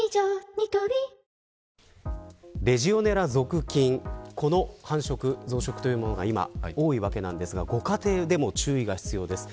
ニトリレジオネラ属菌この繁殖、増殖というものが今多いわけですがご家庭でも注意が必要です。